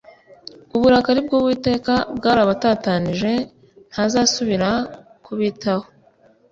Uburakari bw’Uwiteka bwarabatatanije, Ntazasubira kubitaho.